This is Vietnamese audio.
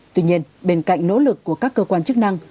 tuy nhiên bên cạnh nỗ lực của các cơ quan chức năng